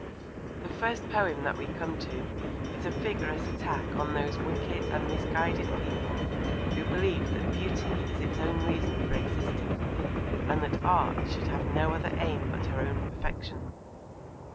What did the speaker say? The first poem that we come to is a vigorous attack on those wicked and misguided people who believe that Beauty is its own reason for existing, and that Art should have no other aim but her own perfection.